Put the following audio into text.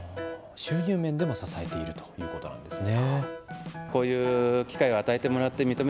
収入面でも支えているということなんですね。